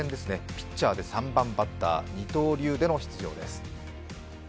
ピッチャーで３番バッター二刀流での出場です。